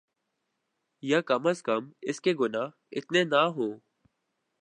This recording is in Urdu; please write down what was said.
یاکم ازکم اس کے گناہ اتنے نہ ہوں۔